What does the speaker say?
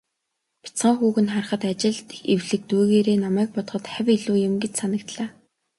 Бяцхан хүүг нь харахад, ажилд эвлэг дүйгээрээ намайг бодоход хавь илүү юм гэж санагдлаа.